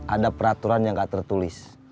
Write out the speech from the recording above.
ada peraturan yang gak tertulis